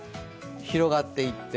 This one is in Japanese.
広がっていって。